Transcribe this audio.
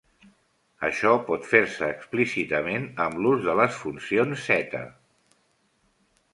Això pot fer-se explícitament amb l'ús de les funcions theta.